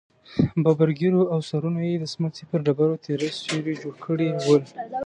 ببرو ږېرو او سرونو يې د سمڅې پر ډبرو تېره سيوري جوړ کړي ول.